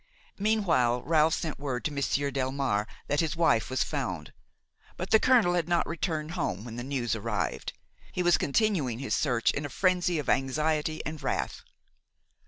Meanwhile Ralph sent word to Monsieur Delmare that his wife was found; but the colonel had not returned home when the news arrived. He was continuing his search in a frenzy of anxiety and wrath.